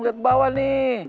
lihat bawah nih